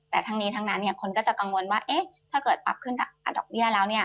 แต่ทั้งนี้ทั้งนั้นคนก็จะกังวลว่าถ้าเกิดปรับขึ้นอัตราดอกเบี้ยแล้ว